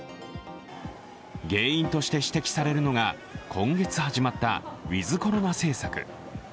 原因として指摘されるのが今月始まったウィズ・コロナ政策。